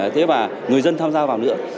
thế và người dân tham gia vào nữa